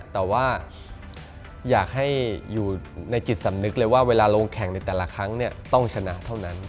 แต่ว่าอยากให้อยู่ในจิตสำนึกเลยว่าเวลาลงแข่งในแต่ละครั้งต้องชนะเท่านั้น